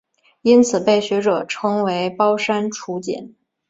因此被学者称为包山楚简。